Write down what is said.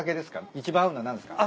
一番合うのは何ですか？